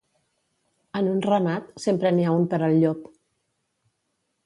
En un ramat, sempre n'hi ha un per al llop.